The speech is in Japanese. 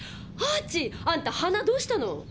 ハチあんた鼻どうしたの？